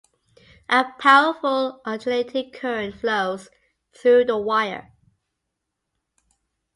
A powerful alternating current flows through the wire.